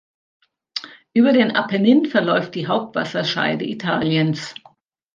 Über den Apennin verläuft die Hauptwasserscheide Italiens.